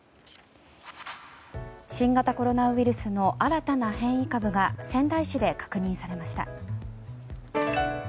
新型コロナウイルスの新たな変異株が仙台市で確認されました。